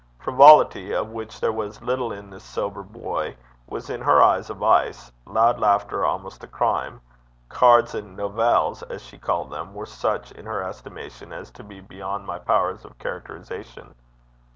Frivolity, of which there was little in this sober boy, was in her eyes a vice; loud laughter almost a crime; cards, and novelles, as she called them, were such in her estimation, as to be beyond my powers of characterization.